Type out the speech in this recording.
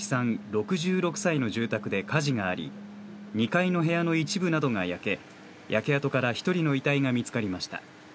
６６歳の住宅で火事があり、２階の部屋の一部などが焼け、焼け跡から１人の遺体が見つかりました。